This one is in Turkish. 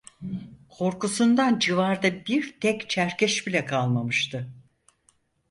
Korkusundan civarda bir tek Çerkeş bile kalmamıştı.